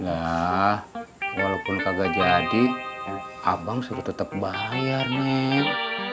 lah walaupun kagak jadi abang suruh tetep bayar neng